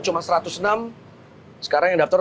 cuma satu ratus enam sekarang yang daftar